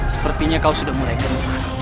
sepertinya kau sudah mulai geringan